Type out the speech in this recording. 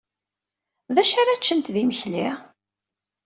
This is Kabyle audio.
D acu ara ččent d imekli?